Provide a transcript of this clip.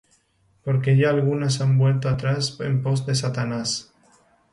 Porque ya algunas han vuelto atrás en pos de Satanás.